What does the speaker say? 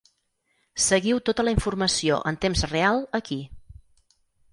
Seguiu tota la informació en temps real aquí.